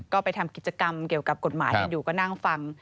ก็ไปทำกิจกรรมเกี่ยวกับกฎหมายกันอยู่ก็นั่งฟัง